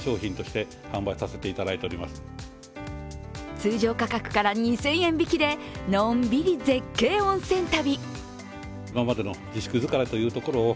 通常価格から２０００円引きで、のんびり絶景温泉旅。